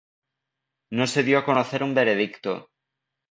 No se dio a conocer un veredicto.